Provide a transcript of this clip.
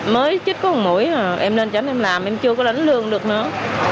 mới chích có một mũi em lên tránh em làm em chưa có đánh lương được nữa